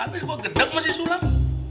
ampe gua gedeng sama si sulap